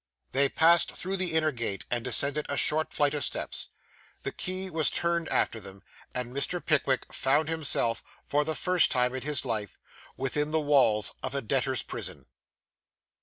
They passed through the inner gate, and descended a short flight of steps. The key was turned after them; and Mr. Pickwick found himself, for the first time in his life, within the walls of a debtors' prison.